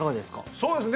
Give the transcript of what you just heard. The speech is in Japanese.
そうですね